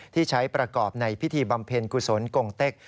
ที่ใช้ประกอบในพิธีบำเพ็ญกุศลกงเต็ก